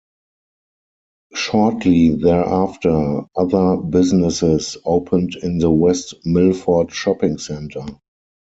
Shortly thereafter, other businesses opened in the West Milford Shopping Center.